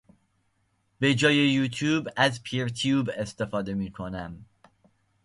به جای یوتیوب از پیرتیوب استفاده میکنم